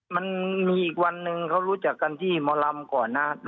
มันมีอีกวันหนึ่งเขารู้จักกันที่หมอลำก่อนนะ